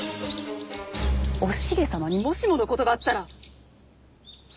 おしげ様にもしものことがあったら。